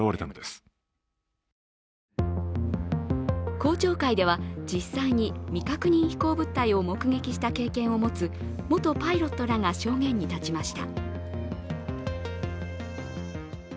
公聴会では実際に未確認飛行物体を目撃した経験を持つ元パイロットらが証言に立ちました。